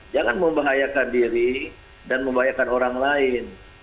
jangan membahayakan diri dan membahayakan orang lain